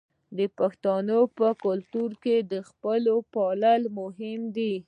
د پښتنو په کلتور کې د خپلوۍ پالل مهم دي.